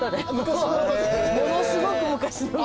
ものすごく昔の歌。